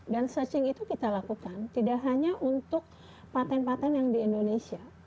dan searching itu kita lakukan tidak hanya untuk patent patent yang di indonesia